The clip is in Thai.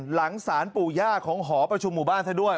หลังศาลปู่ย่าของหอประชุมหมู่บ้านซะด้วย